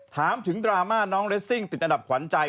ถามถึงดราม่าน้องเรสซิ่งติดอันดับขวัญใจ